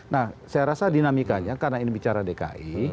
nah saya rasa dinamikanya karena ini bicara dki